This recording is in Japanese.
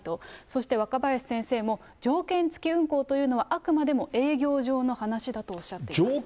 そして若林先生も、条件付き運航というのは、あくまでも営業上の話だとおっしゃっています。